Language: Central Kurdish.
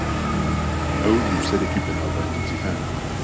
ئەو نووسەرێکی بەناوبانگی جیهانە.